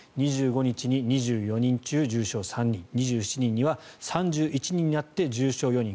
２５日に２４人中重症３人２７日には３１人になって重症４人。